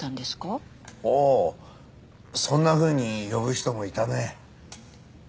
ああそんなふうに呼ぶ人もいたね。